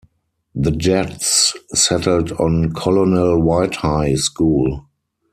The Jets settled on Colonel White High School.